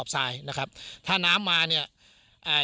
ทรายนะครับถ้าน้ำมาเนี้ยอ่า